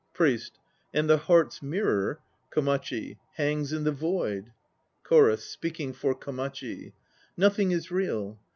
PRIEST. And the Heart's Mirror KOMACHI. Hangs in the void. CHORUS (speaking for KOMACHI). "Nothing is real.